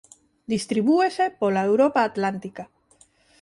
Distribúese pola Europa atlántica.